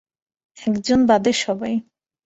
একজন বাদে সবাই।